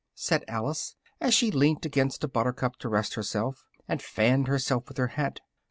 said Alice, as she leant against a buttercup to rest herself, and fanned herself with her hat.